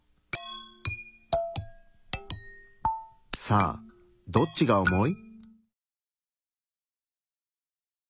さあどっちが重い？